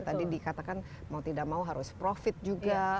tadi dikatakan mau tidak mau harus profit juga